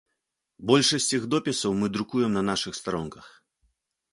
Большасць іх допісаў мы друкуем на нашых старонках.